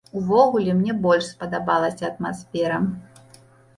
Увогуле, мне больш спадабалася атмасфера.